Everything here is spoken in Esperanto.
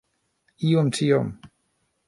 Iom tiom